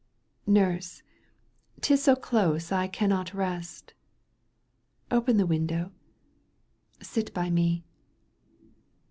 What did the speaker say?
Nurse, 'tis so close I cannot rest. Open the window — sit by me."